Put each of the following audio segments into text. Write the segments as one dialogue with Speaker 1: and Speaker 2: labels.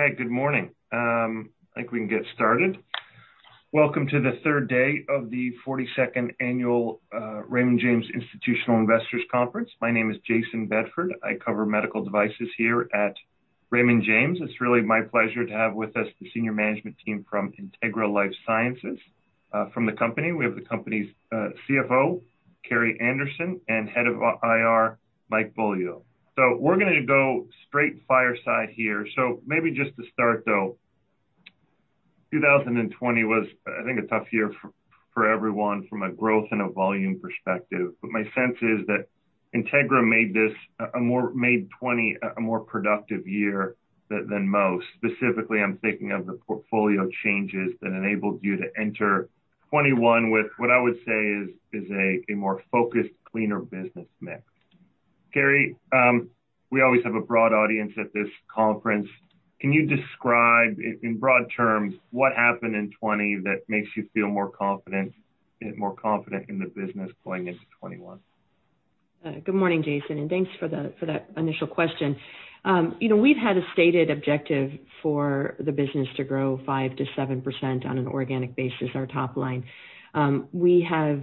Speaker 1: Okay, good morning. I think we can get started. Welcome to the third day of the 42nd Annual Raymond James Institutional Investors Conference. My name is Jayson Bedford. I cover medical devices here at Raymond James. It's really my pleasure to have with us the senior management team from Integra LifeSciences. From the company, we have the company's CFO, Carrie Anderson, and head of IR, Mike Beaulieu. So we're going to go straight fireside here. So maybe just to start, though, 2020 was, I think, a tough year for everyone from a growth and a volume perspective. But my sense is that Integra made 2020 a more productive year than most. Specifically, I'm thinking of the portfolio changes that enabled you to enter 2021 with what I would say is a more focused, cleaner business mix. Carrie, we always have a broad audience at this conference. Can you describe in broad terms what happened in 2020 that makes you feel more confident in the business going into 2021?
Speaker 2: Good morning, Jayson, and thanks for that initial question. We've had a stated objective for the business to grow 5%-7% on an organic basis, our top line. We have,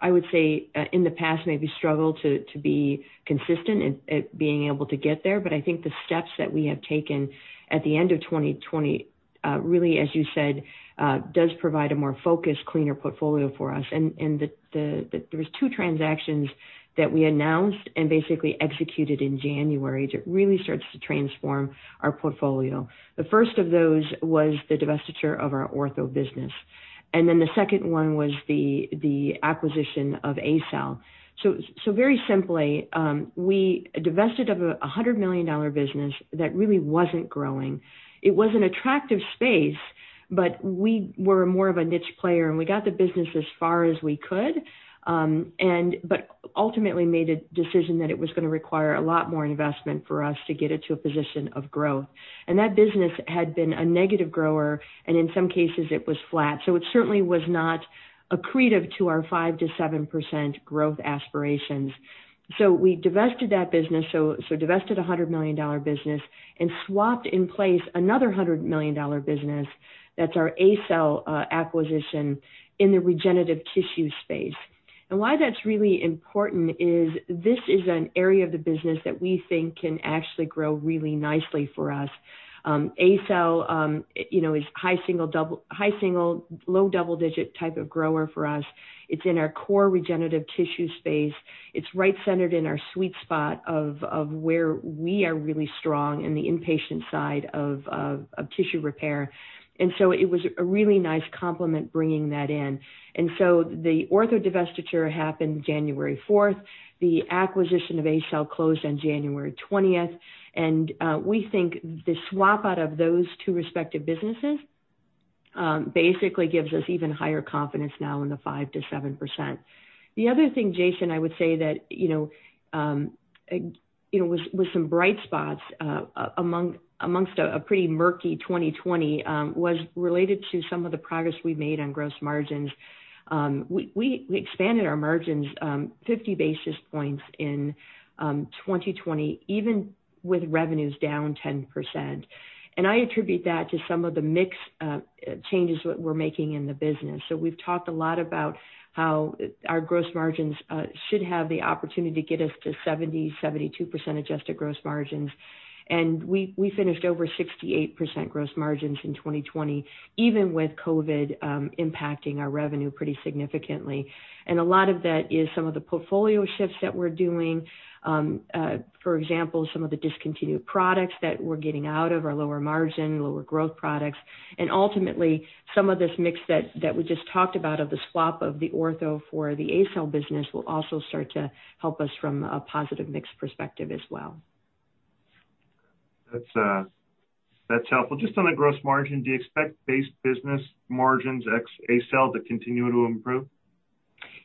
Speaker 2: I would say, in the past, maybe struggled to be consistent at being able to get there. But I think the steps that we have taken at the end of 2020, really, as you said, does provide a more focused, cleaner portfolio for us. And there were two transactions that we announced and basically executed in January that really started to transform our portfolio. The first of those was the divestiture of our ortho business. And then the second one was the acquisition of ACell. So very simply, we divested of a $100 million business that really wasn't growing. It was an attractive space, but we were more of a niche player. We got the business as far as we could, but ultimately made a decision that it was going to require a lot more investment for us to get it to a position of growth. That business had been a negative grower, and in some cases, it was flat. So it certainly was not accretive to our 5%-7% growth aspirations. We divested that business, so divested a $100 million business, and swapped in place another $100 million business that's our ACell acquisition in the regenerative tissue space. Why that's really important is this is an area of the business that we think can actually grow really nicely for us. ACell is high single, low double-digit type of grower for us. It's in our core regenerative tissue space. It's right centered in our sweet spot of where we are really strong in the inpatient side of tissue repair. And so it was a really nice complement bringing that in. And so the ortho divestiture happened January 4th. The acquisition of ACell closed on January 20th. And we think the swap out of those two respective businesses basically gives us even higher confidence now in the 5%-7%. The other thing, Jayson, I would say that was some bright spots amongst a pretty murky 2020 was related to some of the progress we made on gross margins. We expanded our margins 50 basis points in 2020, even with revenues down 10%. And I attribute that to some of the mixed changes that we're making in the business. So we've talked a lot about how our gross margins should have the opportunity to get us to 70%, 72% adjusted gross margins. And we finished over 68% gross margins in 2020, even with COVID impacting our revenue pretty significantly. And a lot of that is some of the portfolio shifts that we're doing. For example, some of the discontinued products that we're getting out of our lower margin, lower growth products. And ultimately, some of this mix that we just talked about of the swap of the ortho for the ACell business will also start to help us from a positive mix perspective as well.
Speaker 1: That's helpful. Just on the gross margin, do you expect base business margins at ACell to continue to improve?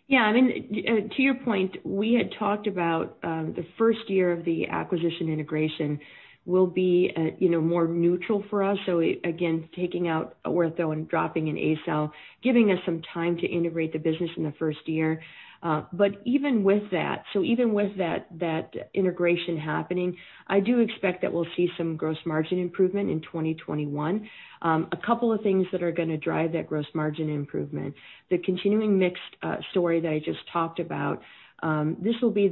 Speaker 2: Yeah. I mean, to your point, we had talked about the first year of the acquisition integration will be more neutral for us. So again, taking out ortho and dropping in ACell, giving us some time to integrate the business in the first year. But even with that, so even with that integration happening, I do expect that we'll see some gross margin improvement in 2021. A couple of things that are going to drive that gross margin improvement, the continuing mixed story that I just talked about, this will be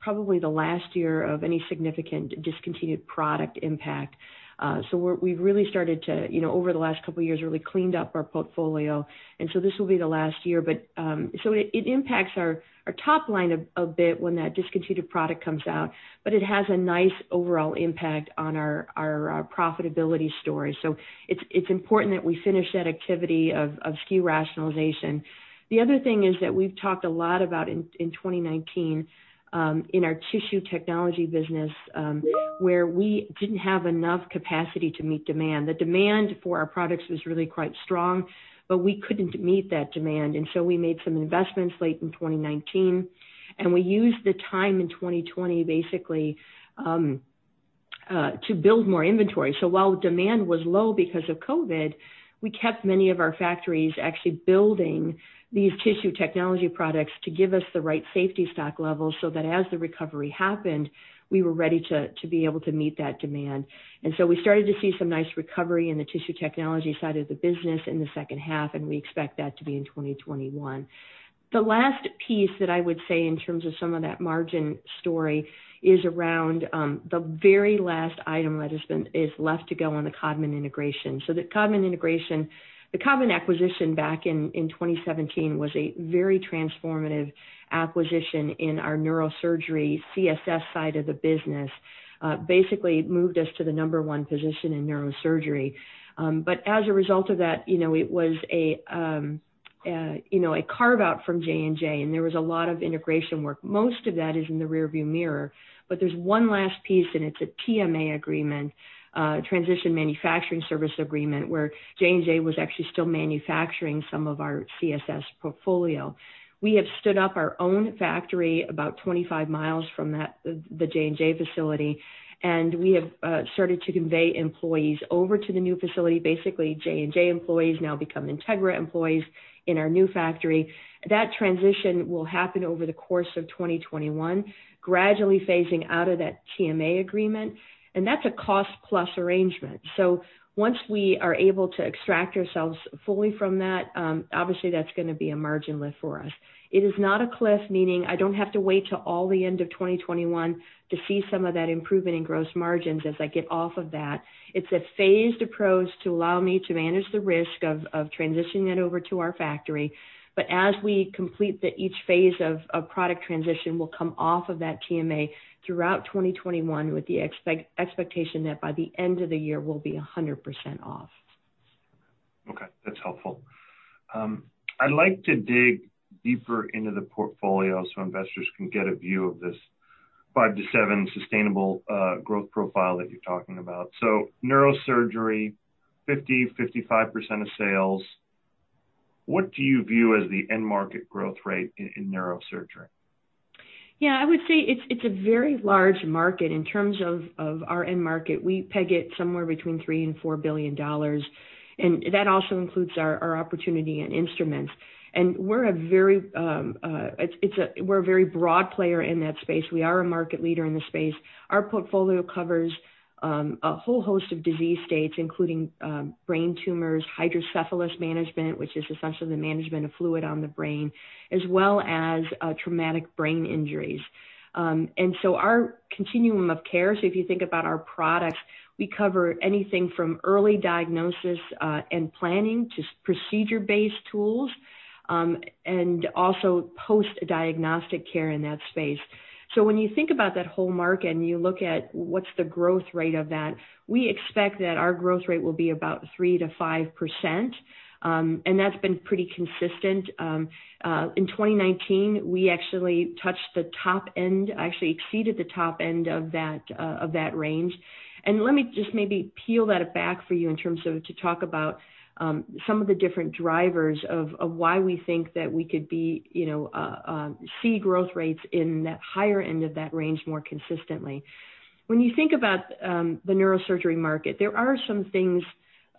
Speaker 2: probably the last year of any significant discontinued product impact. So we've really started to, over the last couple of years, really cleaned up our portfolio. And so this will be the last year. But so it impacts our top line a bit when that discontinued product comes out, but it has a nice overall impact on our profitability story. So it's important that we finish that activity of SKU rationalization. The other thing is that we've talked a lot about in 2019 in our Tissue Technology business where we didn't have enough capacity to meet demand. The demand for our products was really quite strong, but we couldn't meet that demand. And so we made some investments late in 2019. And we used the time in 2020 basically to build more inventory. So while demand was low because of COVID, we kept many of our factories actually building these Tissue Technology products to give us the right safety stock level so that as the recovery happened, we were ready to be able to meet that demand. And so we started to see some nice recovery in the Tissue Technology side of the business in the second half, and we expect that to be in 2021. The last piece that I would say in terms of some of that margin story is around the very last item that has been left to go on the Codman integration. So the Codman acquisition back in 2017 was a very transformative acquisition in our neurosurgery CSS side of the business. Basically, it moved us to the number one position in neurosurgery. But as a result of that, it was a carve-out from J&J, and there was a lot of integration work. Most of that is in the rearview mirror. But there's one last piece, and it's a TMA agreement, transition manufacturing service agreement, where J&J was actually still manufacturing some of our CSS portfolio. We have stood up our own factory about 25 mi from the J&J facility, and we have started to convey employees over to the new facility. Basically, J&J employees now become Integra employees in our new factory. That transition will happen over the course of 2021, gradually phasing out of that TMA agreement, and that's a cost-plus arrangement, so once we are able to extract ourselves fully from that, obviously, that's going to be a margin lift for us. It is not a cliff, meaning I don't have to wait till the end of 2021 to see some of that improvement in gross margins as I get off of that. It's a phased approach to allow me to manage the risk of transitioning that over to our factory. As we complete each phase of product transition, we'll come off of that TMA throughout 2021 with the expectation that by the end of the year, we'll be 100% off.
Speaker 1: Okay. That's helpful. I'd like to dig deeper into the portfolio so investors can get a view of this 5%-7% sustainable growth profile that you're talking about. So neurosurgery, 50%-55% of sales. What do you view as the end market growth rate in neurosurgery?
Speaker 2: Yeah. I would say it's a very large market in terms of our end market. We peg it somewhere between $3 billion and $4 billion. And that also includes our opportunity and instruments. And we're a very broad player in that space. We are a market leader in the space. Our portfolio covers a whole host of disease states, including brain tumors, hydrocephalus management, which is essentially the management of fluid on the brain, as well as traumatic brain injuries. And so our continuum of care, so if you think about our products, we cover anything from early diagnosis and planning to procedure-based tools and also post-diagnostic care in that space. So when you think about that whole market and you look at what's the growth rate of that, we expect that our growth rate will be about 3% to 5%. And that's been pretty consistent. In 2019, we actually touched the top end, actually exceeded the top end of that range. And let me just maybe peel that back for you in terms of to talk about some of the different drivers of why we think that we could see growth rates in that higher end of that range more consistently. When you think about the neurosurgery market, there are some things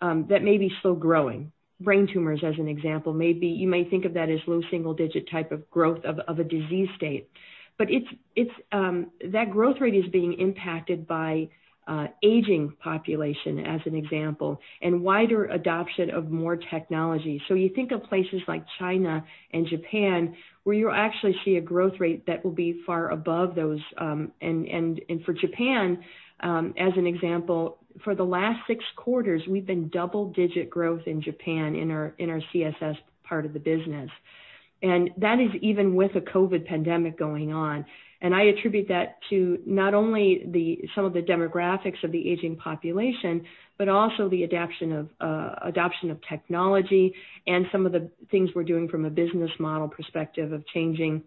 Speaker 2: that may be slow growing. Brain tumors, as an example, you might think of that as low single-digit type of growth of a disease state. But that growth rate is being impacted by aging population, as an example, and wider adoption of more technology. So you think of places like China and Japan where you actually see a growth rate that will be far above those. And for Japan, as an example, for the last six quarters, we've been double-digit growth in Japan in our CSS part of the business. And that is even with a COVID pandemic going on. And I attribute that to not only some of the demographics of the aging population, but also the adoption of technology and some of the things we're doing from a business model perspective of changing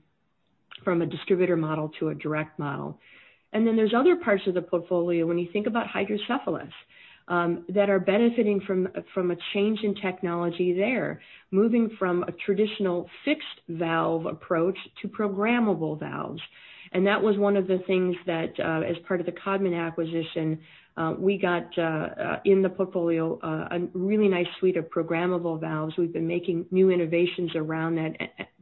Speaker 2: from a distributor model to a direct model. And then there's other parts of the portfolio. When you think about hydrocephalus, that are benefiting from a change in technology there, moving from a traditional fixed valve approach to programmable valves. And that was one of the things that, as part of the Codman acquisition, we got in the portfolio a really nice suite of programmable valves. We've been making new innovations around that,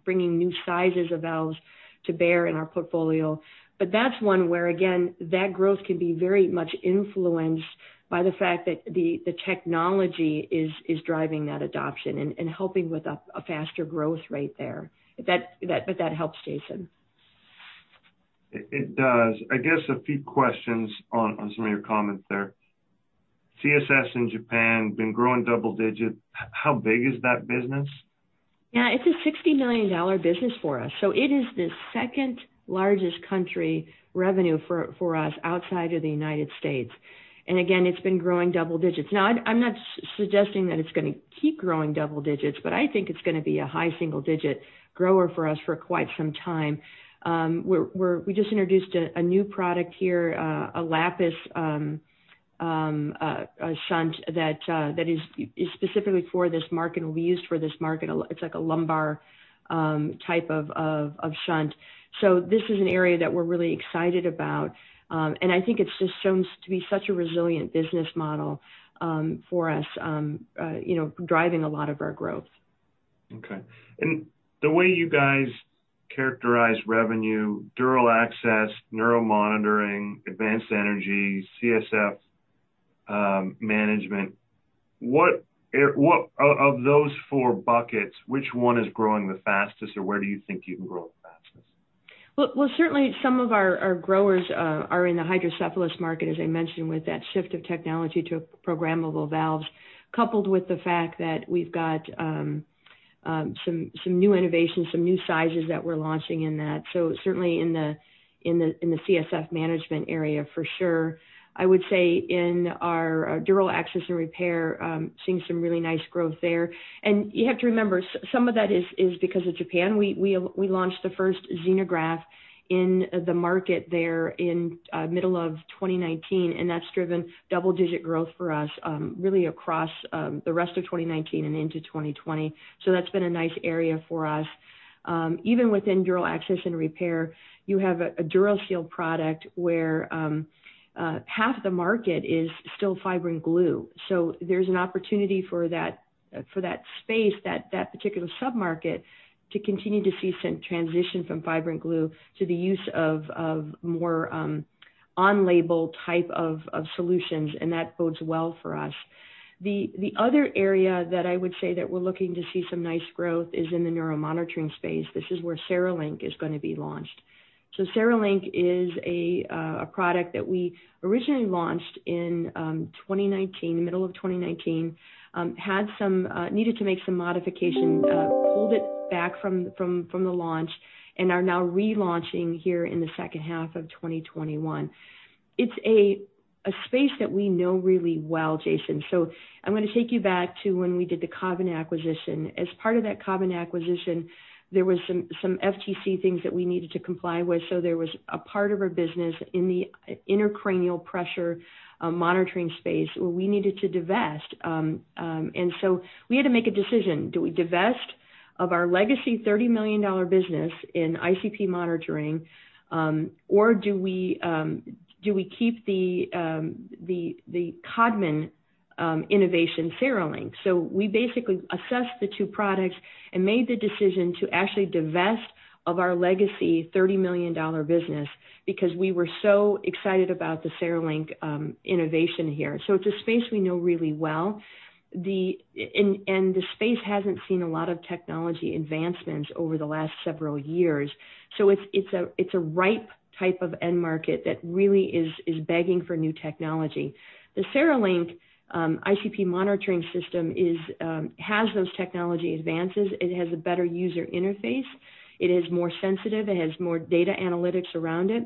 Speaker 2: bringing new sizes of valves to bear in our portfolio. But that's one where, again, that growth can be very much influenced by the fact that the technology is driving that adoption and helping with a faster growth rate there. But that helps, Jayson.
Speaker 1: It does. I guess a few questions on some of your comments there. CSS in Japan has been growing double-digit. How big is that business?
Speaker 2: Yeah. It's a $60 million business for us. So it is the second largest country revenue for us outside of the United States. And again, it's been growing double digits. Now, I'm not suggesting that it's going to keep growing double digits, but I think it's going to be a high single-digit grower for us for quite some time. We just introduced a new product here, a LP shunt that is specifically for this market and will be used for this market. It's like a lumbar type of shunt. So this is an area that we're really excited about. And I think it's just shown to be such a resilient business model for us, driving a lot of our growth.
Speaker 1: Okay. And the way you guys characterize revenue, dural access, neuromonitoring, advanced energy, CSF management, of those four buckets, which one is growing the fastest or where do you think you can grow the fastest?
Speaker 2: Certainly, some of our growth drivers are in the hydrocephalus market, as I mentioned, with that shift of technology to programmable valves, coupled with the fact that we've got some new innovations, some new sizes that we're launching in that. Certainly, in the CSF management area, for sure. I would say in our dural access and repair, seeing some really nice growth there. You have to remember, some of that is because of Japan. We launched the first xenograft in the market there in the middle of 2019, and that's driven double-digit growth for us really across the rest of 2019 and into 2020. That's been a nice area for us. Even within dural access and repair, you have a DuraSeal product where half the market is still fibrin glue. So there's an opportunity for that space, that particular sub-market, to continue to see some transition from fibrin glue to the use of more on-label type of solutions, and that bodes well for us. The other area that I would say that we're looking to see some nice growth is in the neuromonitoring space. This is where CereLink is going to be launched. So CereLink is a product that we originally launched in 2019, the middle of 2019, needed to make some modification, pulled it back from the launch, and are now relaunching here in the second half of 2021. It's a space that we know really well, Jayson. So I'm going to take you back to when we did the Codman acquisition. As part of that Codman acquisition, there were some FTC things that we needed to comply with. There was a part of our business in the intracranial pressure monitoring space where we needed to divest. And so we had to make a decision. Do we divest of our legacy $30 million business in ICP monitoring, or do we keep the Codman innovation, CereLink? So we basically assessed the two products and made the decision to actually divest of our legacy $30 million business because we were so excited about the CereLink innovation here. So it's a space we know really well. And the space hasn't seen a lot of technology advancements over the last several years. So it's a ripe type of end market that really is begging for new technology. The CereLink ICP monitoring system has those technology advances. It has a better user interface. It is more sensitive. It has more data analytics around it.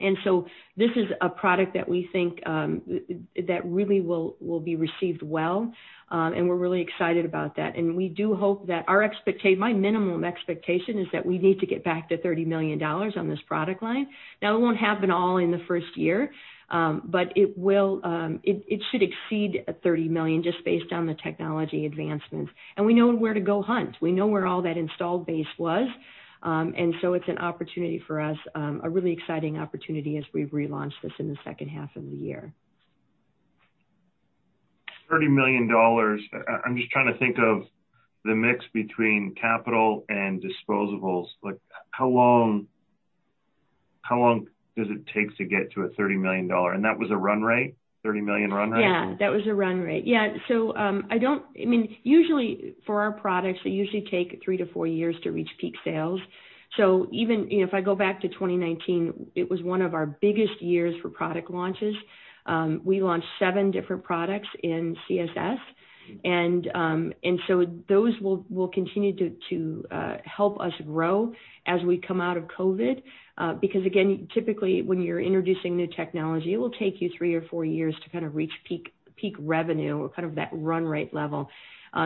Speaker 2: And so this is a product that we think that really will be received well. And we're really excited about that. And we do hope that our expectation, my minimum expectation, is that we need to get back to $30 million on this product line. Now, it won't happen all in the first year, but it should exceed $30 million just based on the technology advancements. And we know where to go hunt. We know where all that installed base was. And so it's an opportunity for us, a really exciting opportunity as we relaunch this in the second half of the year.
Speaker 1: $30 million. I'm just trying to think of the mix between capital and disposables. How long does it take to get to a $30 million? And that was a run rate? $30 million run rate?
Speaker 2: Yeah. That was a run rate. Yeah. So I mean, usually, for our products, they usually take three to four years to reach peak sales. So even if I go back to 2019, it was one of our biggest years for product launches. We launched seven different products in CSS. And so those will continue to help us grow as we come out of COVID because, again, typically, when you're introducing new technology, it will take you three or four years to kind of reach peak revenue or kind of that run rate level.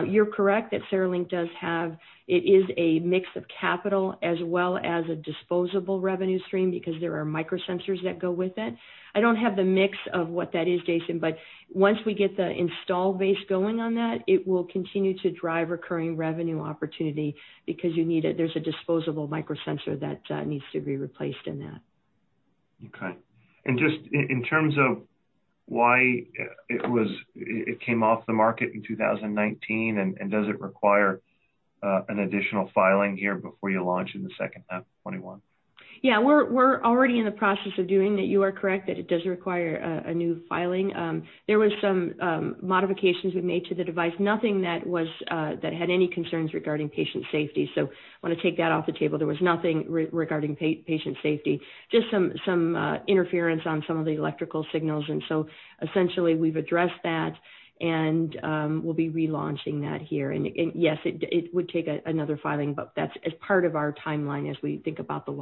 Speaker 2: You're correct that CereLink does have it is a mix of capital as well as a disposable revenue stream because there are microsensors that go with it. I don't have the mix of what that is, Jayson, but once we get the installed base going on that, it will continue to drive recurring revenue opportunity because you need it. There's a disposable microsensor that needs to be replaced in that.
Speaker 1: Okay. And just in terms of why it came off the market in 2019, and does it require an additional filing here before you launch in the second half of 2021?
Speaker 2: Yeah. We're already in the process of doing that. You are correct that it does require a new filing. There were some modifications we made to the device, nothing that had any concerns regarding patient safety. So I want to take that off the table. There was nothing regarding patient safety, just some interference on some of the electrical signals. And so essentially, we've addressed that and we'll be relaunching that here. And yes, it would take another filing, but that's part of our timeline as we think about the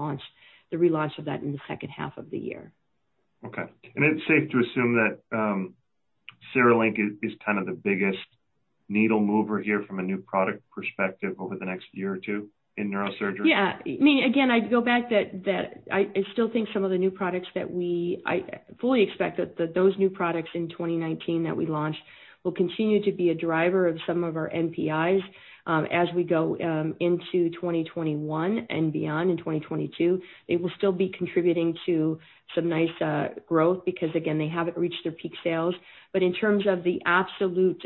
Speaker 2: relaunch of that in the second half of the year.
Speaker 1: Okay. And it's safe to assume that CereLink is kind of the biggest needle mover here from a new product perspective over the next year or two in neurosurgery?
Speaker 2: Yeah. I mean, again, I go back that I still think some of the new products that we fully expect that those new products in 2019 that we launched will continue to be a driver of some of our NPIs as we go into 2021 and beyond in 2022. They will still be contributing to some nice growth because, again, they haven't reached their peak sales. But in terms of the absolute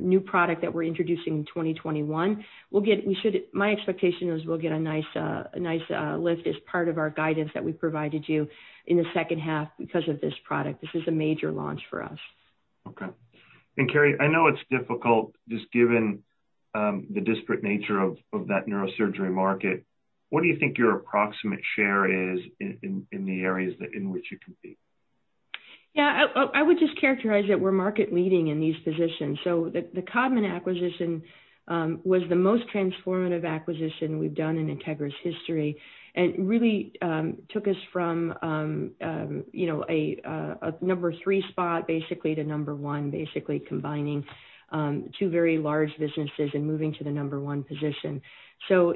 Speaker 2: new product that we're introducing in 2021, my expectation is we'll get a nice lift as part of our guidance that we provided you in the second half because of this product. This is a major launch for us.
Speaker 1: Okay. And Carrie, I know it's difficult just given the disparate nature of that neurosurgery market. What do you think your approximate share is in the areas in which you compete?
Speaker 2: Yeah. I would just characterize it. We're market-leading in these positions. So the Codman acquisition was the most transformative acquisition we've done in Integra's history and really took us from a number three spot basically to number one, basically combining two very large businesses and moving to the number one position. So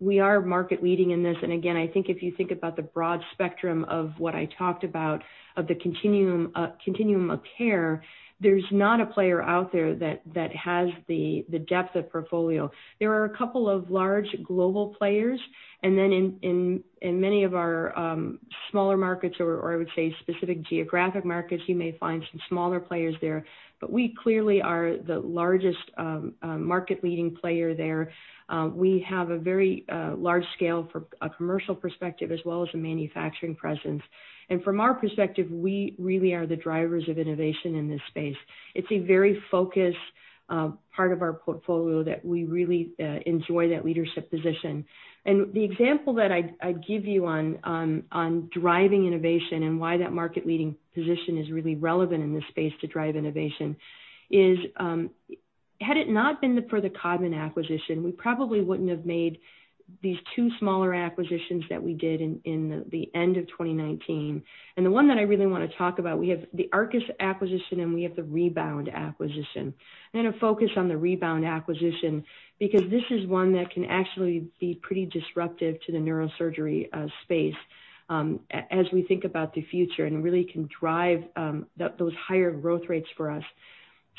Speaker 2: we are market-leading in this. And again, I think if you think about the broad spectrum of what I talked about of the continuum of care, there's not a player out there that has the depth of portfolio. There are a couple of large global players. And then in many of our smaller markets, or I would say specific geographic markets, you may find some smaller players there. But we clearly are the largest market-leading player there. We have a very large scale from a commercial perspective as well as a manufacturing presence. From our perspective, we really are the drivers of innovation in this space. It's a very focused part of our portfolio that we really enjoy that leadership position. The example that I'd give you on driving innovation and why that market-leading position is really relevant in this space to drive innovation is had it not been for the Codman acquisition, we probably wouldn't have made these two smaller acquisitions that we did in the end of 2019. The one that I really want to talk about, we have the Arkis acquisition and we have the Rebound acquisition. I'm going to focus on the Rebound acquisition because this is one that can actually be pretty disruptive to the neurosurgery space as we think about the future and really can drive those higher growth rates for us.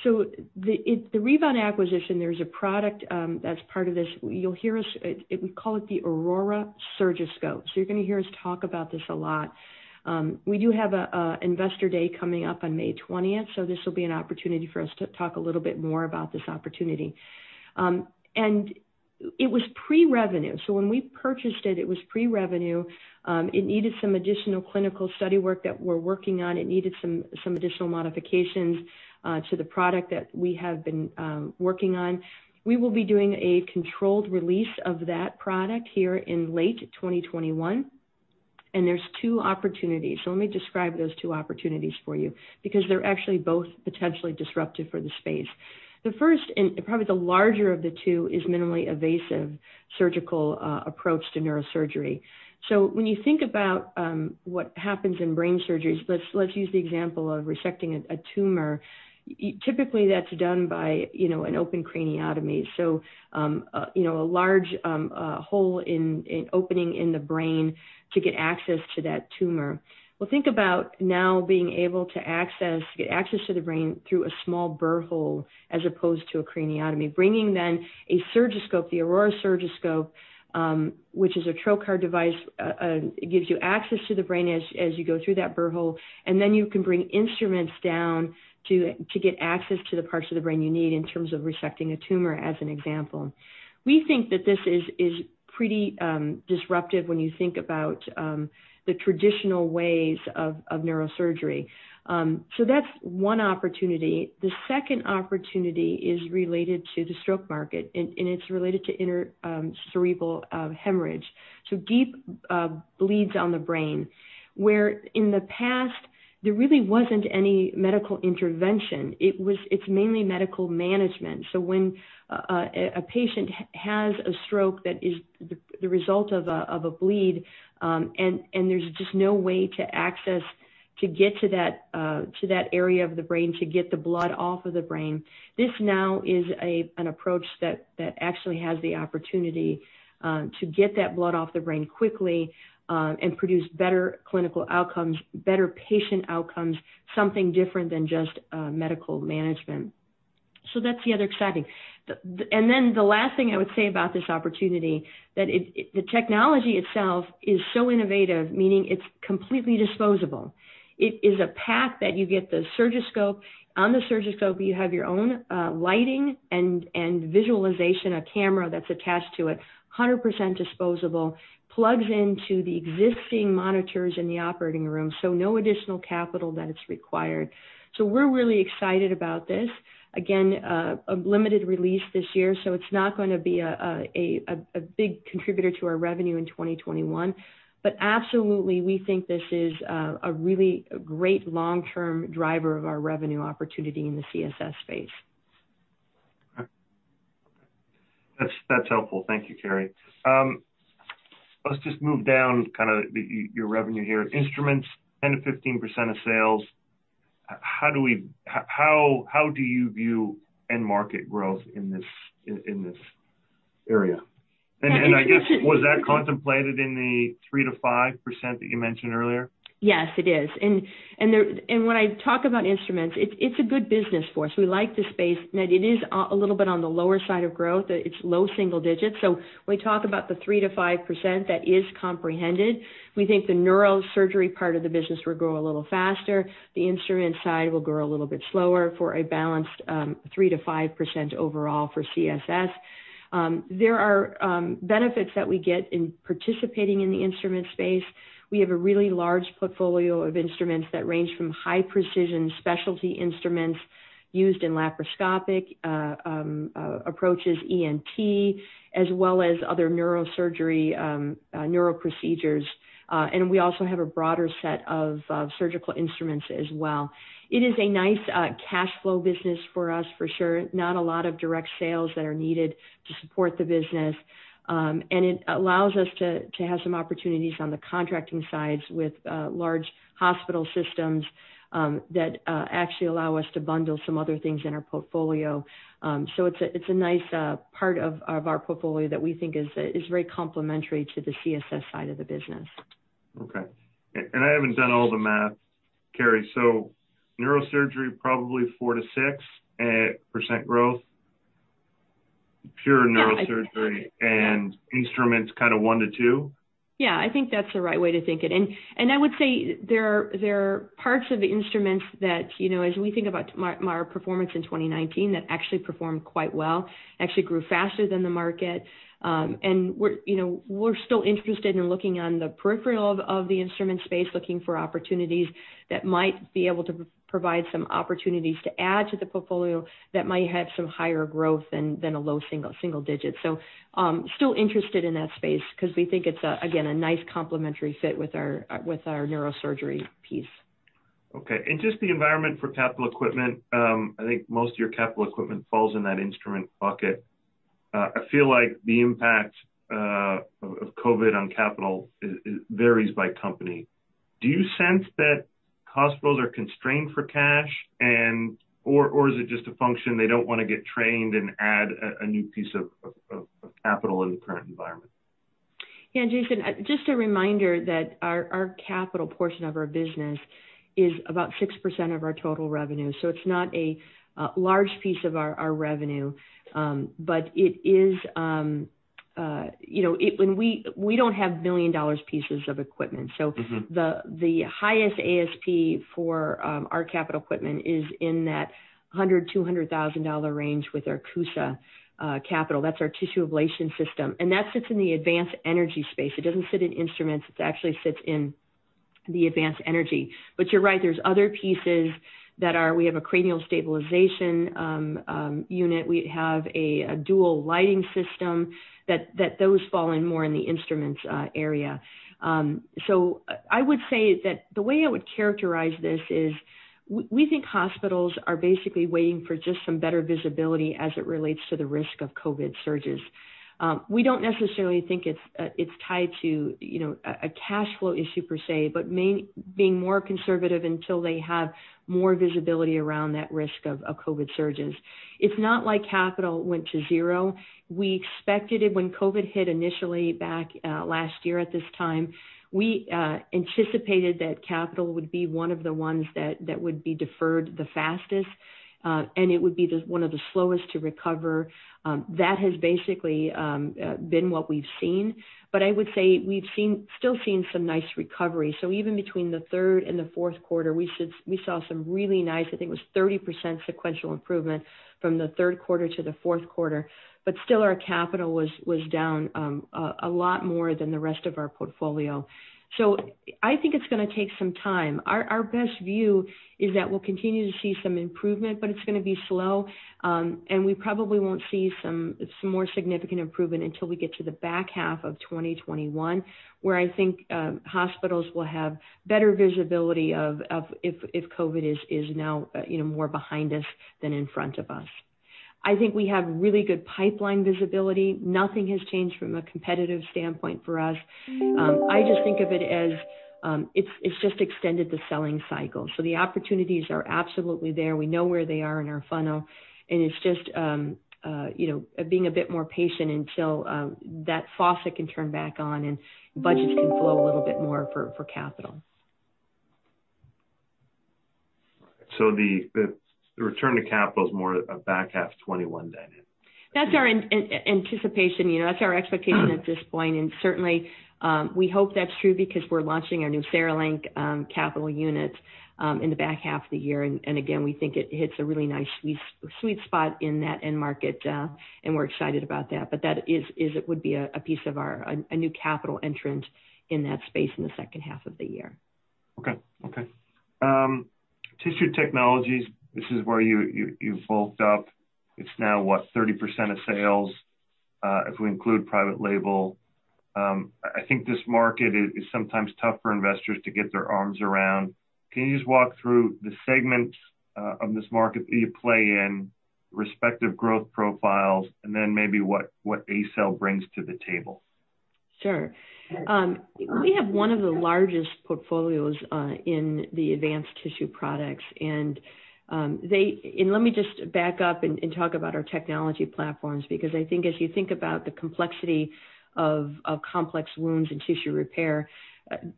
Speaker 2: The Rebound acquisition, there's a product that's part of this. You'll hear us. We call it the Aurora Surgiscope. So you're going to hear us talk about this a lot. We do have an investor day coming up on May 20th. So this will be an opportunity for us to talk a little bit more about this opportunity. And it was pre-revenue. So when we purchased it, it was pre-revenue. It needed some additional clinical study work that we're working on. It needed some additional modifications to the product that we have been working on. We will be doing a controlled release of that product here in late 2021. And there's two opportunities. So let me describe those two opportunities for you because they're actually both potentially disruptive for the space. The first and probably the larger of the two is minimally invasive surgical approach to neurosurgery. So when you think about what happens in brain surgeries, let's use the example of resecting a tumor. Typically, that's done by an open craniotomy. So a large hole, an opening, in the brain to get access to that tumor. Well, think about now being able to get access to the brain through a small burr hole as opposed to a craniotomy, bringing, then, a Surgiscope, the Aurora Surgiscope, which is a trocar device. It gives you access to the brain as you go through that burr hole. And then you can bring instruments down to get access to the parts of the brain you need in terms of resecting a tumor, as an example. We think that this is pretty disruptive when you think about the traditional ways of neurosurgery. So that's one opportunity. The second opportunity is related to the stroke market, and it's related to cerebral hemorrhage. So, deep bleeds on the brain where in the past, there really wasn't any medical intervention. It's mainly medical management. So when a patient has a stroke that is the result of a bleed and there's just no way to get to that area of the brain to get the blood off of the brain, this now is an approach that actually has the opportunity to get that blood off the brain quickly and produce better clinical outcomes, better patient outcomes, something different than just medical management. So that's the other exciting. And then the last thing I would say about this opportunity that the technology itself is so innovative, meaning it's completely disposable. It is a pack that you get the Surgiscope. On the Surgiscope, you have your own lighting and visualization, a camera that's attached to it, 100% disposable, plugs into the existing monitors in the operating room. So no additional capital that's required. So we're really excited about this. Again, a limited release this year. So it's not going to be a big contributor to our revenue in 2021. But absolutely, we think this is a really great long-term driver of our revenue opportunity in the CSS space.
Speaker 1: That's helpful. Thank you, Carrie. Let's just move down kind of your revenue here. Instruments, 10%-15% of sales. How do you view end market growth in this area? And I guess, was that contemplated in the 3%-5% that you mentioned earlier?
Speaker 2: Yes, it is, and when I talk about instruments, it's a good business for us. We like the space. It is a little bit on the lower side of growth. It's low single digits. So when we talk about the 3%-5% that is comprehended, we think the neurosurgery part of the business will grow a little faster. The instrument side will grow a little bit slower for a balanced 3%-5% overall for CSS. There are benefits that we get in participating in the instrument space. We have a really large portfolio of instruments that range from high precision specialty instruments used in laparoscopic approaches, ENT, as well as other neurosurgery neuro procedures, and we also have a broader set of surgical instruments as well. It is a nice cash flow business for us, for sure. Not a lot of direct sales that are needed to support the business. And it allows us to have some opportunities on the contracting sides with large hospital systems that actually allow us to bundle some other things in our portfolio. So it's a nice part of our portfolio that we think is very complementary to the CSS side of the business.
Speaker 1: Okay. And I haven't done all the math, Carrie. So neurosurgery, probably 4%-6% growth, pure neurosurgery, and instruments kind of 1%-2%?
Speaker 2: Yeah. I think that's the right way to think it. And I would say there are parts of the instruments that, as we think about our performance in 2019, that actually performed quite well, actually grew faster than the market. And we're still interested in looking on the peripheral of the instrument space, looking for opportunities that might be able to provide some opportunities to add to the portfolio that might have some higher growth than a low single digit. So still interested in that space because we think it's, again, a nice complementary fit with our neurosurgery piece.
Speaker 1: Okay, and just the environment for capital equipment. I think most of your capital equipment falls in that instrument bucket. I feel like the impact of COVID on capital varies by company. Do you sense that hospitals are constrained for cash, or is it just a function they don't want to get trained and add a new piece of capital in the current environment?
Speaker 2: Yeah, Jayson, just a reminder that our capital portion of our business is about 6% of our total revenue. So it's not a large piece of our revenue, but it is when we don't have million-dollar pieces of equipment. So the highest ASP for our capital equipment is in that $100,000-$200,000 range with our CUSA capital. That's our tissue ablation system. And that sits in the advanced energy space. It doesn't sit in instruments. It actually sits in the advanced energy. But you're right, there's other pieces that are we have a cranial stabilization unit. We have a dual lighting system that those fall in more in the instruments area. So I would say that the way I would characterize this is we think hospitals are basically waiting for just some better visibility as it relates to the risk of COVID surges. We don't necessarily think it's tied to a cash flow issue per se, but being more conservative until they have more visibility around that risk of COVID surges. It's not like capital went to zero. We expected it when COVID hit initially back last year at this time. We anticipated that capital would be one of the ones that would be deferred the fastest, and it would be one of the slowest to recover. That has basically been what we've seen. But I would say we've still seen some nice recovery. So even between the third and the fourth quarter, we saw some really nice, I think it was 30% sequential improvement from the third quarter to the fourth quarter. But still, our capital was down a lot more than the rest of our portfolio. So I think it's going to take some time. Our best view is that we'll continue to see some improvement, but it's going to be slow, and we probably won't see some more significant improvement until we get to the back half of 2021, where I think hospitals will have better visibility of if COVID is now more behind us than in front of us. I think we have really good pipeline visibility. Nothing has changed from a competitive standpoint for us. I just think of it as it's just extended the selling cycle, so the opportunities are absolutely there. We know where they are in our funnel. And it's just being a bit more patient until that faucet can turn back on and budgets can flow a little bit more for capital.
Speaker 1: So the return to capital is more of a back half 2021 dynamic?
Speaker 2: That's our anticipation. That's our expectation at this point, and certainly, we hope that's true because we're launching our new CereLink capital units in the back half of the year, and again, we think it hits a really nice sweet spot in that end market, and we're excited about that, but that would be a piece of our new capital equipment in that space in the second half of the year.
Speaker 1: Okay. Tissue Technologies, this is where you've built up. It's now, what, 30% of sales if we include private label. I think this market is sometimes tough for investors to get their arms around. Can you just walk through the segments of this market that you play in, the respective growth profiles, and then maybe what ACell brings to the table?
Speaker 2: Sure. We have one of the largest portfolios in the advanced tissue products. And let me just back up and talk about our technology platforms because I think as you think about the complexity of complex wounds and tissue repair,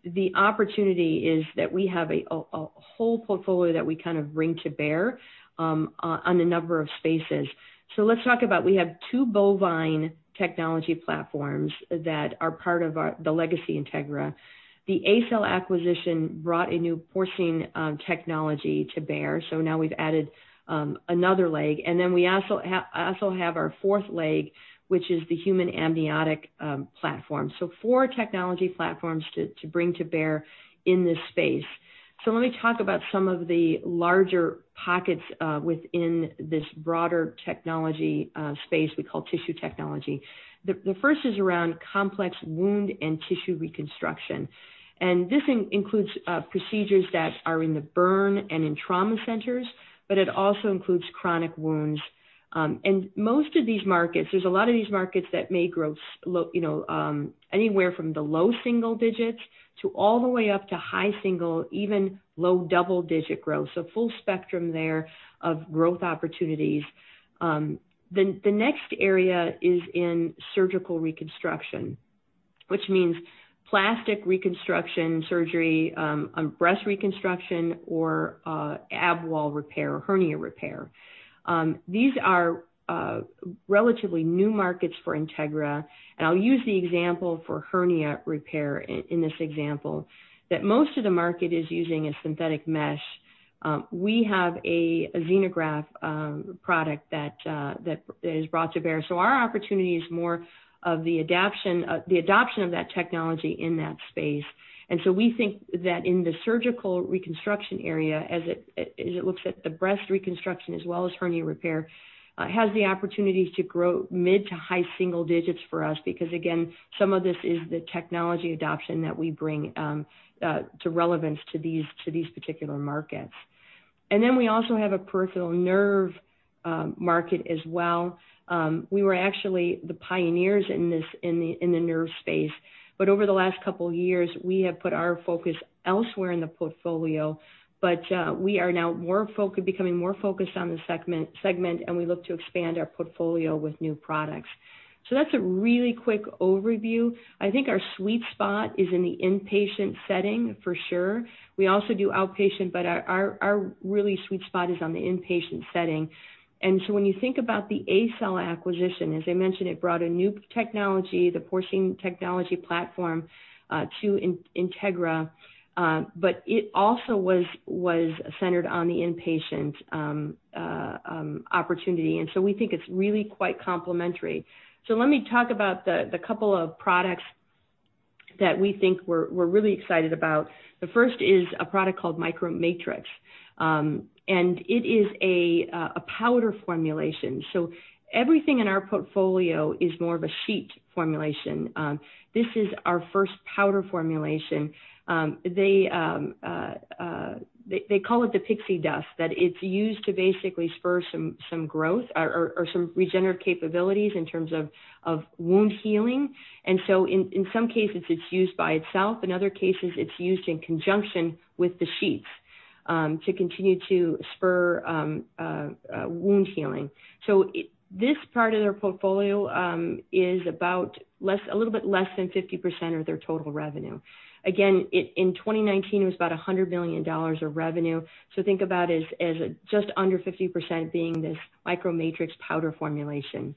Speaker 2: the opportunity is that we have a whole portfolio that we kind of bring to bear on a number of spaces. So let's talk about we have two bovine technology platforms that are part of the legacy Integra. The ACell acquisition brought a new porcine technology to bear. So now we've added another leg. And then we also have our fourth leg, which is the human amniotic platform. So four technology platforms to bring to bear in this space. So let me talk about some of the larger pockets within this broader technology space we call Tissue Technology. The first is around complex wound and tissue reconstruction. This includes procedures that are in the burn and in trauma centers, but it also includes chronic wounds. Most of these markets, there's a lot of these markets that may grow anywhere from the low single digits to all the way up to high single, even low double digit growth. Full spectrum there of growth opportunities. The next area is in surgical reconstruction, which means plastic reconstruction, surgery, breast reconstruction, or ab wall repair or hernia repair. These are relatively new markets for Integra. I'll use the example for hernia repair in this example that most of the market is using a synthetic mesh. We have a xenograft product that is brought to bear. Our opportunity is more of the adoption of that technology in that space. And so we think that in the surgical reconstruction area, as it looks at the breast reconstruction as well as hernia repair, it has the opportunity to grow mid- to high-single-digits for us because, again, some of this is the technology adoption that we bring to relevance to these particular markets. And then we also have a peripheral nerve market as well. We were actually the pioneers in the nerve space. But over the last couple of years, we have put our focus elsewhere in the portfolio. But we are now becoming more focused on the segment, and we look to expand our portfolio with new products. So that's a really quick overview. I think our sweet spot is in the inpatient setting for sure. We also do outpatient, but our really sweet spot is on the inpatient setting. And so when you think about the ACell acquisition, as I mentioned, it brought a new technology, the porcine technology platform to Integra. But it also was centered on the inpatient opportunity. And so we think it's really quite complementary. So let me talk about the couple of products that we think we're really excited about. The first is a product called MicroMatrix. And it is a powder formulation. So everything in our portfolio is more of a sheet formulation. This is our first powder formulation. They call it the pixie dust, that it's used to basically spur some growth or some regenerative capabilities in terms of wound healing. And so in some cases, it's used by itself. In other cases, it's used in conjunction with the sheets to continue to spur wound healing. So this part of their portfolio is about a little bit less than 50% of their total revenue. Again, in 2019, it was about $100 million of revenue. So think about it as just under 50% being this MicroMatrix powder formulation.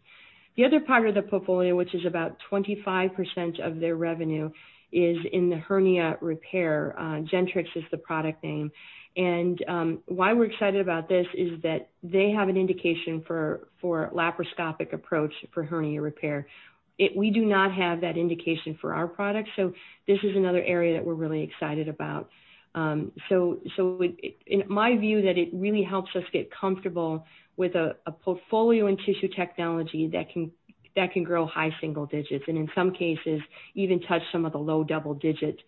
Speaker 2: The other part of the portfolio, which is about 25% of their revenue, is in the hernia repair. Gentrix is the product name. And why we're excited about this is that they have an indication for laparoscopic approach for hernia repair. We do not have that indication for our product. So in my view, that it really helps us get comfortable with a portfolio in Tissue Technology that can grow high single digits and in some cases, even touch some of the low double digit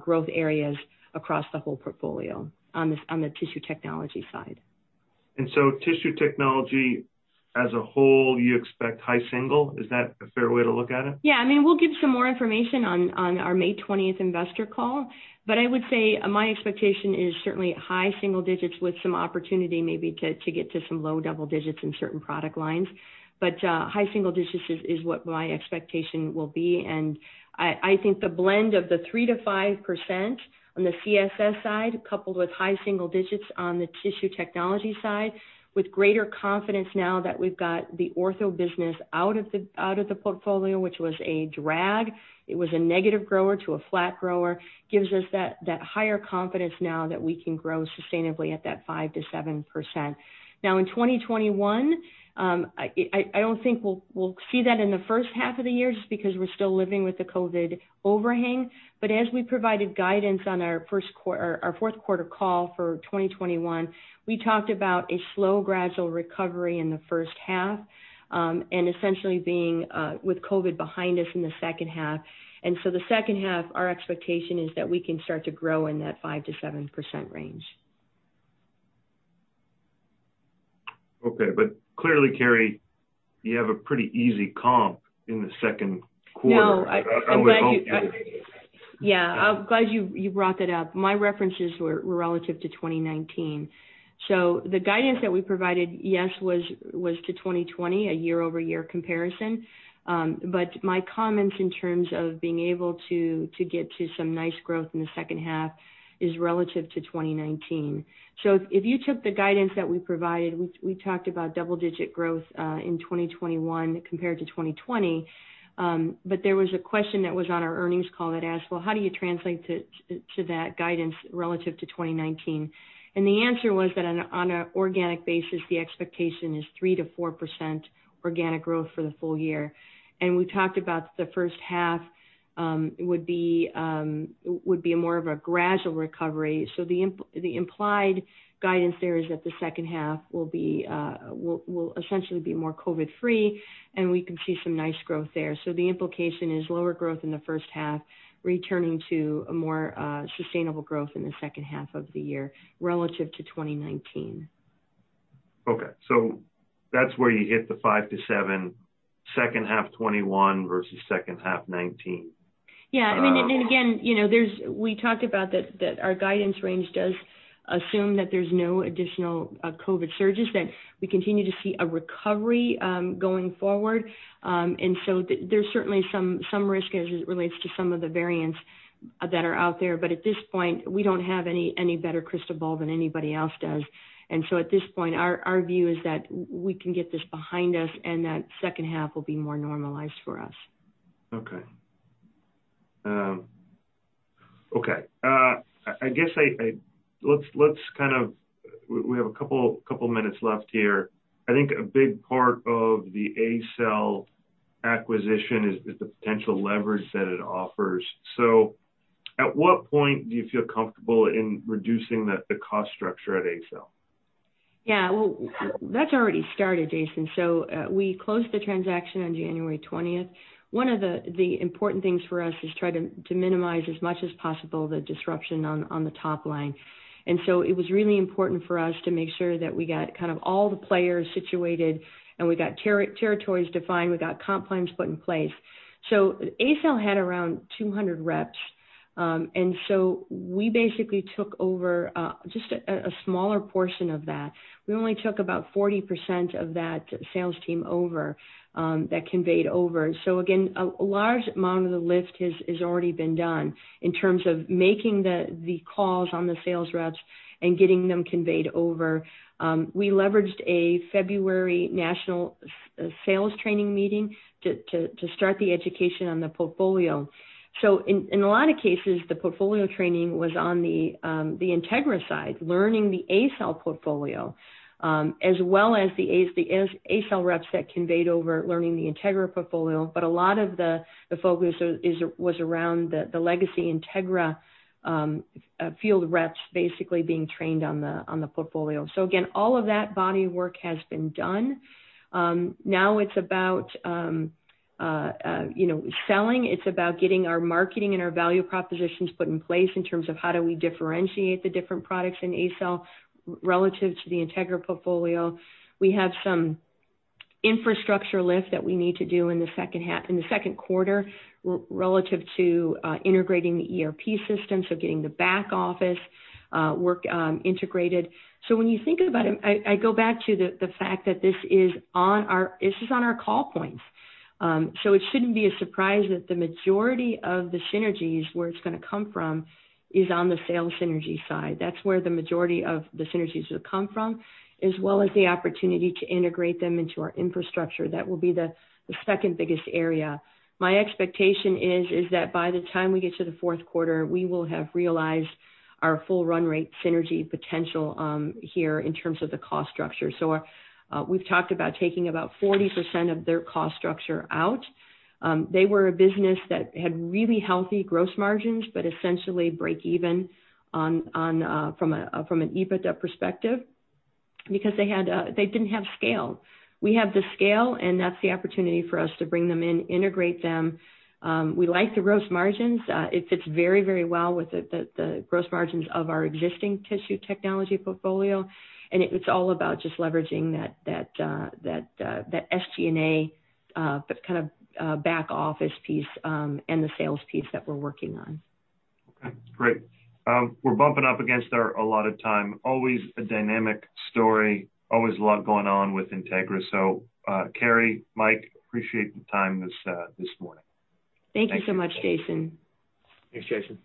Speaker 2: growth areas across the whole portfolio on the Tissue Technology side.
Speaker 1: Tissue Technology as a whole, you expect high single? Is that a fair way to look at it?
Speaker 2: Yeah. I mean, we'll give some more information on our May 20th investor call. But I would say my expectation is certainly high single digits with some opportunity maybe to get to some low double digits in certain product lines. But high single digits is what my expectation will be. And I think the blend of the 3%-5% on the CSS side coupled with high single digits on the Tissue Technology side with greater confidence now that we've got the ortho business out of the portfolio, which was a drag. It was a negative grower to a flat grower, gives us that higher confidence now that we can grow sustainably at that 5%-7%. Now, in 2021, I don't think we'll see that in the first half of the year just because we're still living with the COVID overhang. But as we provided guidance on our fourth quarter call for 2021, we talked about a slow, gradual recovery in the first half and essentially being with COVID behind us in the second half. And so the second half, our expectation is that we can start to grow in that 5%-7% range.
Speaker 1: Okay. But clearly, Carrie, you have a pretty easy comp in the second quarter.
Speaker 2: No, I'm glad you asked. Yeah, I'm glad you brought that up. My references were relative to 2019. So the guidance that we provided, yes, was to 2020, a year-over-year comparison. But my comments in terms of being able to get to some nice growth in the second half is relative to 2019. So if you took the guidance that we provided, we talked about double-digit growth in 2021 compared to 2020. But there was a question that was on our earnings call that asked, "Well, how do you translate to that guidance relative to 2019?" And the answer was that on an organic basis, the expectation is 3%-4% organic growth for the full year. And we talked about the first half would be more of a gradual recovery. The implied guidance there is that the second half will essentially be more COVID-free, and we can see some nice growth there. The implication is lower growth in the first half returning to a more sustainable growth in the second half of the year relative to 2019.
Speaker 1: Okay. So that's where you hit the 5%-7%, second half 2021 versus second half 2019.
Speaker 2: Yeah. I mean, and again, we talked about that our guidance range does assume that there's no additional COVID surges, that we continue to see a recovery going forward. And so there's certainly some risk as it relates to some of the variants that are out there. But at this point, we don't have any better crystal ball than anybody else does. And so at this point, our view is that we can get this behind us and that second half will be more normalized for us.
Speaker 1: Okay. Okay. I guess let's kind of we have a couple of minutes left here. I think a big part of the ACell acquisition is the potential leverage that it offers. So at what point do you feel comfortable in reducing the cost structure at ACell?
Speaker 2: Yeah. Well, that's already started, Jayson. So we closed the transaction on January 20th. One of the important things for us is to try to minimize as much as possible the disruption on the top line. And so it was really important for us to make sure that we got kind of all the players situated and we got territories defined. We got comp plans put in place. So ACell had around 200 reps. And so we basically took over just a smaller portion of that. We only took about 40% of that sales team over that conveyed over. So again, a large amount of the lift has already been done in terms of making the calls on the sales reps and getting them conveyed over. We leveraged a February national sales training meeting to start the education on the portfolio. So in a lot of cases, the portfolio training was on the Integra side, learning the ACell portfolio as well as the ACell reps that conveyed over, learning the Integra portfolio. But a lot of the focus was around the legacy Integra field reps basically being trained on the portfolio. So again, all of that body of work has been done. Now it's about selling. It's about getting our marketing and our value propositions put in place in terms of how do we differentiate the different products in ACell relative to the Integra portfolio. We have some infrastructure lift that we need to do in the second quarter relative to integrating the ERP system, so getting the back office work integrated. So when you think about it, I go back to the fact that this is on our call points. So it shouldn't be a surprise that the majority of the synergies where it's going to come from is on the sales synergy side. That's where the majority of the synergies will come from, as well as the opportunity to integrate them into our infrastructure. That will be the second biggest area. My expectation is that by the time we get to the fourth quarter, we will have realized our full run rate synergy potential here in terms of the cost structure. So we've talked about taking about 40% of their cost structure out. They were a business that had really healthy gross margins, but essentially break even from an EBITDA perspective because they didn't have scale. We have the scale, and that's the opportunity for us to bring them in, integrate them. We like the gross margins. It fits very, very well with the gross margins of our existing Tissue Technology portfolio, and it's all about just leveraging that SG&A kind of back office piece and the sales piece that we're working on.
Speaker 1: Okay. Great. We're bumping up against our allotted time. Always a dynamic story, always a lot going on with Integra. So Carrie, Mike, appreciate the time this morning.
Speaker 2: Thank you so much, Jayson.
Speaker 3: Thanks, Jayson.